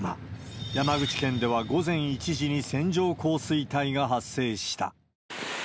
山口県では午前１時に線状降水帯が発生した。